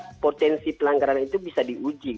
saya kira potensi pelanggaran itu bisa diuji